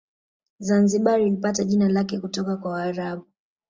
Zanzibar ilipata jina lake kutoka kwa waarabu